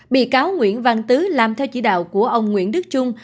bị cáo nguyễn văn tứ làm theo chỉ đạo của ông nguyễn đức trung